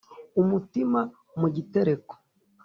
umutima mu gitereko